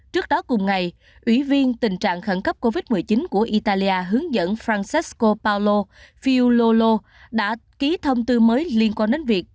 trước đó cùng ngày ủy viên tình trạng khẩn cấp covid một mươi chín của italia hướng dẫn francesco paolo fillo lô đã ký thông tư mới liên quan đến việc